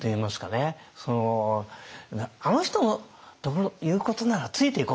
あの人の言うことならついていこうと。